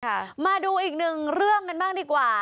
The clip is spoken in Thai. มาดูอีกหนึ่งเรื่องกันบ้างดีกว่า